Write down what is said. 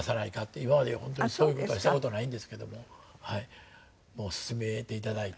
今まで本当にそういう事はした事ないんですけども勧めていただいて。